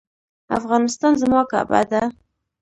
افغانستان زما کعبه ده